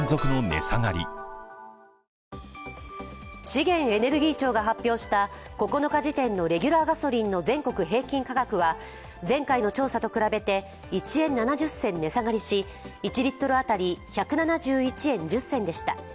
資源エネルギー庁が発表した９日時点のレギュラーガソリンの全国平均価格は前回の調査と比べて１円７０銭値下がりし１リットル当たり１７１円１０銭でした。